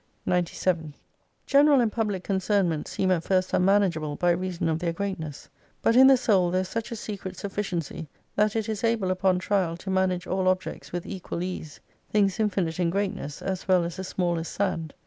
97 General and public concernments seem at first unmanageable, by reason of their greatness ; but in the soul there is such a secret sufficiency, that it is able upon trial, to manage all objects with equal ease ; things infinite in greatness as well as the smallest sand.